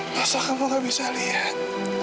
masa kamu gak bisa lihat